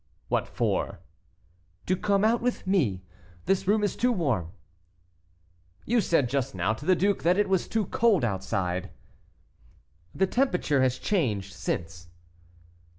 "What for?" "To come out with me. This room is too warm." "You said just now to the duke that it was too cold outside." "The temperature has changed since."